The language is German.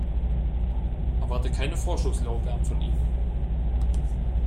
Erwarte keine Vorschusslorbeeren von ihm.